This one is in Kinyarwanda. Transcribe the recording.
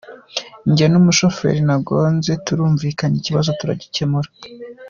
Njye n’umusheferi nagonze turumvikanye ikibazo turagikemura.